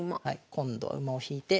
今度は馬を引いて。